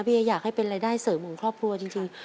อยากให้เป็นรายได้เสริมของครอบครัวจริง